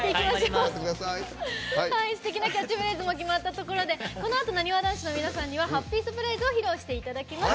すてきなキャッチフレーズも決まったところでこのあとなにわ男子の皆さんには「ハッピーサプライズ」を披露していただきます。